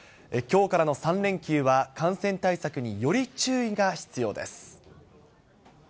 きょうからの３連休は、感染対策により注意が必要です。